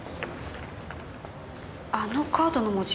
あのカードの文字